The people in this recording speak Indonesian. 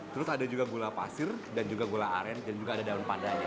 terus ada juga gula pasir dan juga gula aren dan juga ada daun padanya